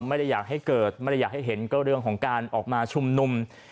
ไม่ได้อยากให้เกิดไม่ได้อยากให้เห็นก็เรื่องของการออกมาชุมนุม